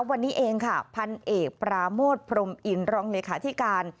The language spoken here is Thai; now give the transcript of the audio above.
วันนี้เองค่ะพันเอกปราโมทพรมอินรองเลขาธิการ